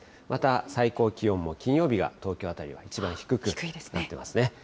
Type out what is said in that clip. また、最高気温も金曜日が東京辺りは一番低くなってますね。